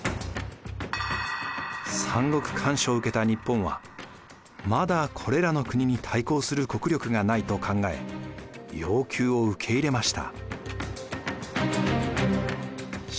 三国干渉を受けた日本はまだこれらの国に対抗する国力がないと考え要求を受け入れました。